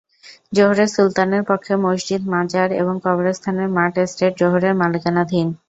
জোহরের সুলতানের পক্ষে মসজিদ, মাজার এবং কবরস্থানের মাঠ স্টেট জোহরের মালিকানাধীন।